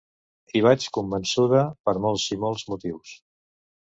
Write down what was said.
Hi vaig convençuda, per molts i molts motius.